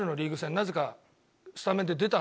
なぜかスタメンで出たんですよ